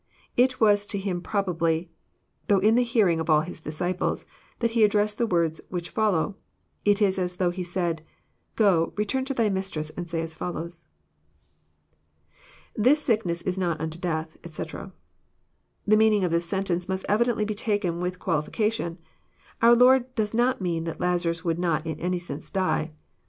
It was to him probably, though in the hearing of al\ His disciples, that He addressed the words which follow. It is as though He said, «* Go, return to thy mistress and say as follows." IThis sickness is not unto death, etc,'] The meaning of this sentence must evidently be taken with qualification. Our Lord did not mean thatliazarus would not in any sense die.